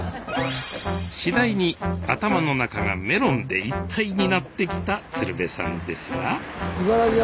次第に頭の中がメロンでいっぱいになってきた鶴瓶さんですがスタジオ